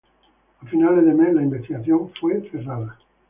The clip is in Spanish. A finales de mes la investigación fue cerrada.